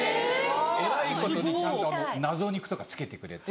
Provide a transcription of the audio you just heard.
えらいことにちゃんと謎肉とかつけてくれて。